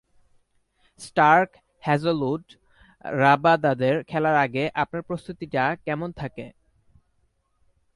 Starc, Hazlewood, রাবাদাদের খেলার আগে আপনার প্রস্তুতিটা কেমন থাকে?